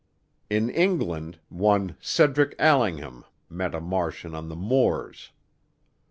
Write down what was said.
In England, one Cedric Allingham met a Martian on the moors.